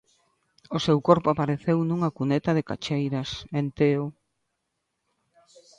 O seu corpo apareceu nunha cuneta de Cacheiras, en Teo.